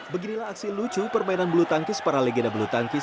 beginilah aksi lucu permainan bulu tangkis para legenda bulu tangkis